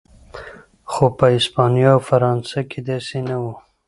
خو په هسپانیا او فرانسه کې داسې نه و.